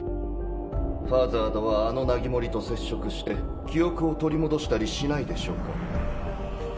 ファザードはあのナギモリと接触して記憶を取り戻したりしないでしょうか？